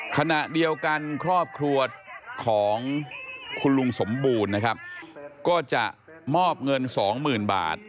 ขณะเดียวกันครอบครัวของคุณลุงสมบูรณ์ก็จะมอบเงิน๒๐๐๐๐บาท